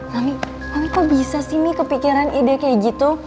kami kami kok bisa sih nih kepikiran ide kayak gitu